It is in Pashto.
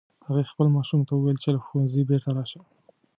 هغې خپل ماشوم ته وویل چې له ښوونځي بیرته راشه